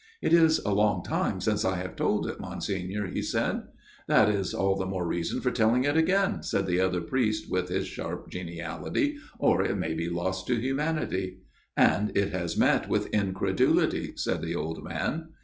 "It is a long time since I have told it, Monsignor/' he said. " That is the more reason for telling it again," said the other priest with his sharp geniality, " or it may be lost to humanity." " It has met with incredulity," said the old man.